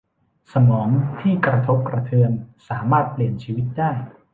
สมองที่กระทบกระเทือนสามารถเปลี่ยนชีวิตได้